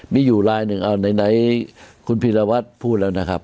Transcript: มีอยู่ลายหนึ่งเอาไหนคุณพีรวัตรพูดแล้วนะครับ